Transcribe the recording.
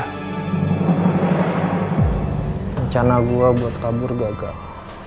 rencana gue buat kabur gagal